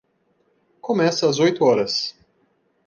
Começa às oito horas.